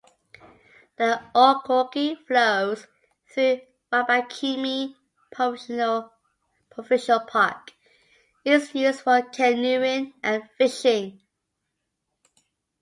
The Ogoki flows through Wabakimi Provincial Park and is used for canoeing and fishing.